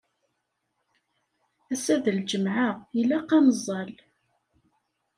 Ass-a d lǧemɛa, ilaq ad neẓẓal.